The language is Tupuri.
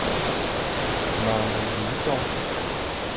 Naa mo yíŋ tɔŋ.